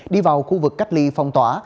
đi vào khu vực cách ly phong tỏa